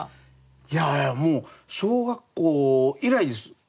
いやもう小学校以来です。